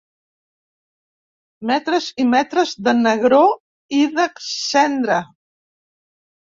Metres i metres de negror i de cendra.